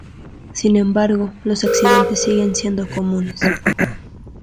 Sin embargo, los accidentes siguen siendo comunes.